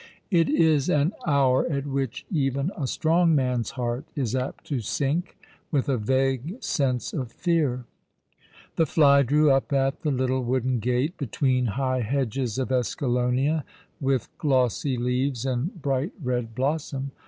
It is an hour at which even a strong man's heart is apt to sink with a vague sense of fear. The fly drew up at the little wooden gate between high hedges of escalonia, with glossy leaves and bright red blossom.